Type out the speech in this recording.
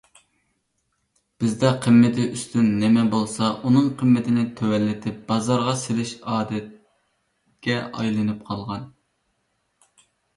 بىزدە قىممىتى ئۈستۈن نېمە بولسا ئۇنىڭ قىممىتىنى تۆۋەنلىتىپ بازارغا سېلىش ئادەتكە ئايلىنىپ قالغان.